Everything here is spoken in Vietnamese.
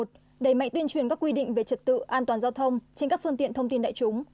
đẩy mạnh tuyên truyền các quy định về trật tự an toàn giao thông trên các phương tiện thông tin đại chúng